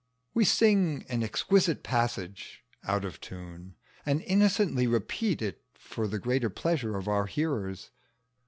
We sing an exquisite passage out of tune and innocently repeat it for the greater pleasure of our hearers.